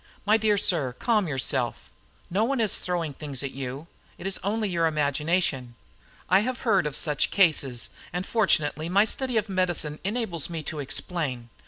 My dear sir, calm yourself. No one is throwing things at you. It is only your imagination. I have heard of such cases, and fortunately my study of medicine enables me to explain.